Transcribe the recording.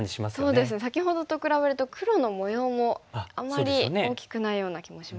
そうですね先ほどと比べると黒の模様もあんまり大きくないような気もしますね。